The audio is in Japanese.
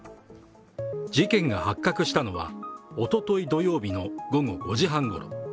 事件が発覚したのは、おととい土曜日の午後５時半ごろ。